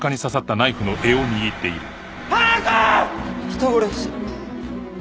人殺し。